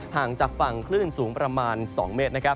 ห่างจากฝั่งคลื่นสูงประมาณ๒เมตร